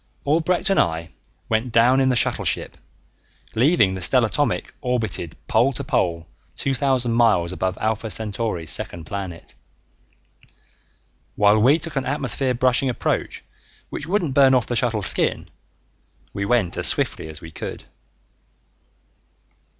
Albrecht and I went down in a shuttleship, leaving the stellatomic orbited pole to pole two thousand miles above Alpha Centauri's second planet. While we took an atmosphere brushing approach which wouldn't burn off the shuttle's skin, we went as swiftly as we could.